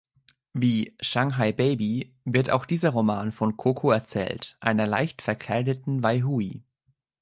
Wie "Shanghai Baby“ wird auch dieser Roman von Coco erzählt, einer leicht verkleideten Weihui.